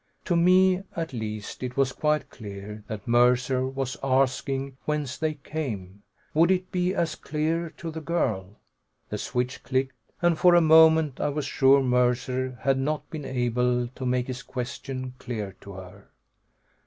To me, at least, it was quite clear that Mercer was asking whence they came. Would it be as clear to the girl? The switch clicked, and for a moment I was sure Mercer had not been able to make his question clear to her.